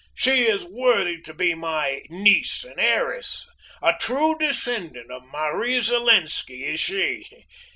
She is worthy to be my niece and heiress! A true descendant of Marie Zelenski, is she!